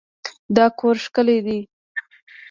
دا کور ښکلی دی.